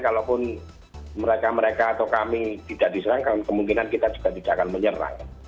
kalaupun mereka mereka atau kami tidak diserangkan kemungkinan kita juga tidak akan menyerang